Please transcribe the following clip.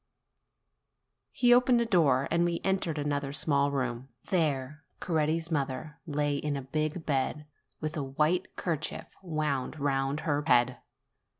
He opened a door, and we entered another small room : there Coretti's mother lay in a big bed, with a white kerchief wound round her head.